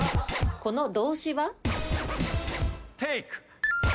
この動詞は？